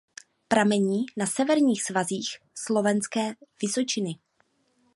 Pramení na severních svazích Smolenské vysočiny.